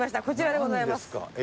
こちらでございます。